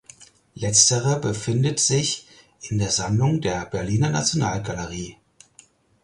Letzterer befindet sich in der Sammlung der Berliner Nationalgalerie.